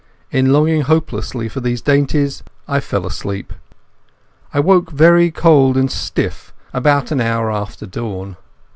In longing hopelessly for these dainties I fell asleep. I woke very cold and stiff about an hour after dawn.